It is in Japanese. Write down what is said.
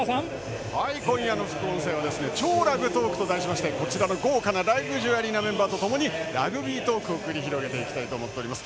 今夜の副音声は「＃超ラグトーク」と題しましてラグジュアリーなメンバーとともにラグビートークを繰り広げていきたいと思います。